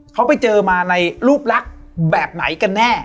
เขาไปเจอมาในรูปลักษณ์แบบไหนกันแน่